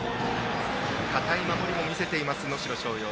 堅い守りを見せている能代松陽。